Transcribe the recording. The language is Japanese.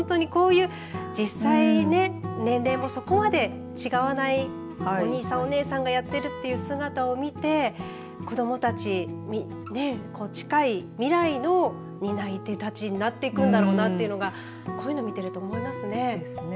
実際、年齢もそこまで違わないお兄さんお姉さんがやっているという姿を見て子どもたちに近い未来の担い手たちになっていくんだろうなとこういうのを見ていると思いますね。